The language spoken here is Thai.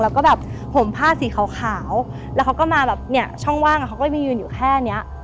แล้วก็แบบห่มผ้าสีขาวแล้วเขาก็มาแบบเนี่ยช่องว่างเขาก็ไปยืนอยู่แค่เนี้ย